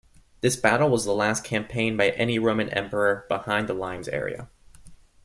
This battle was the last campaign by any Roman Emperor behind the Limes area.